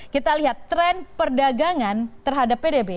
kita lihat tren perdagangan terhadap pdb